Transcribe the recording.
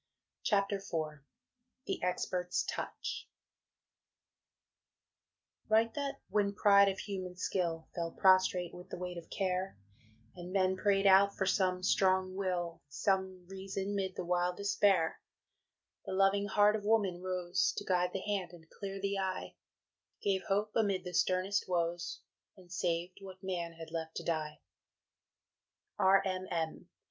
CHAPTER IV THE EXPERT'S TOUCH Write that, when pride of human skill Fell prostrate with the weight of care, And men pray'd out for some strong will, Some reason 'mid the wild despair, The loving heart of Woman rose To guide the hand and clear the eye, Gave hope amid the sternest woes, And saved what man had left to die. R. M. M.